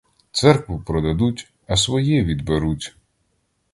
Церкву продадуть, а своє відберуть.